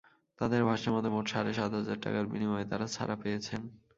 তাঁদের ভাষ্যমতে, মোট সাড়ে সাত হাজার টাকার বিনিময়ে তাঁরা ছাড়া পেয়েছেন।